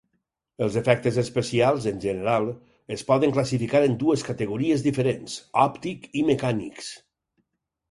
Els efectes especials, en general, es poden classificar en dues categories diferents: òptic i mecànics.